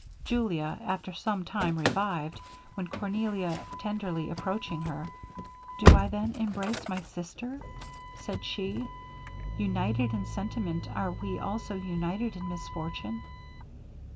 Julia, after some time revived, when Cornelia tenderly approaching her, 'Do I then embrace my sister!' said she. 'United in sentiment, are we also united in misfortune?'